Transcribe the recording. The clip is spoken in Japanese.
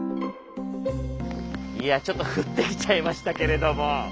いやちょっと降ってきちゃいましたけれども。